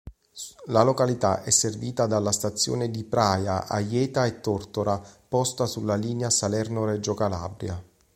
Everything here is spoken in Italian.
La località è servita dalla Stazione di Praja-Ajeta-Tortora, posta sulla linea Salerno-Reggio Calabria.